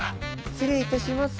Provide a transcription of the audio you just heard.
失礼いたします。